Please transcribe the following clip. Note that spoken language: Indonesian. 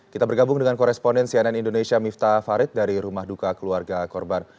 kita bergabung dengan koresponden cnn indonesia miftah farid dari rumah duka keluarga korban